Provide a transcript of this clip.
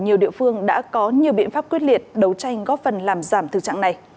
nhiều địa phương đã có nhiều biện pháp quyết liệt đấu tranh góp phần làm giảm thực trạng này